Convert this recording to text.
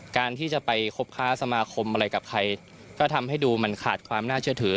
การที่จะไปคบค้าสมาคมอะไรกับใครก็ทำให้ดูมันขาดความน่าเชื่อถือ